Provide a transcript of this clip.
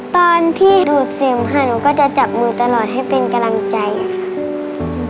ตอนที่ดูดเสมค่ะหนูก็จะจับมือตลอดให้เป็นกำลังใจค่ะ